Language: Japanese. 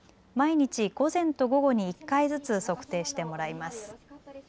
毎日、午前と午後に１回ずつ測定してもらいます。